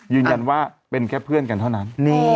ยืนยันว่าเป็นแค่เพื่อนกันเท่านั้น